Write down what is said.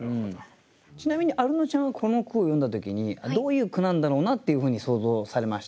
ちなみにアルノちゃんはこの句を読んだ時にどういう句なんだろうなっていうふうに想像されました？